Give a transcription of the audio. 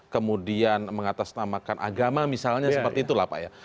kemudian mengatasnamakan agama misalnya seperti itulah pak ya